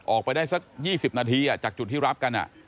ออกไปได้สัก๒๐นาทีจากจุดที่รับกัน